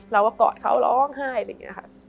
เราก็กอดเขาร้องไห้